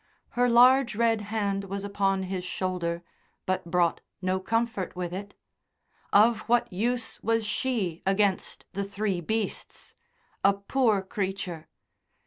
Her large red hand was upon his shoulder, but brought no comfort with it. Of what use was she against the three beasts? A poor creature....